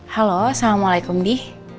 halo assalamualaikum di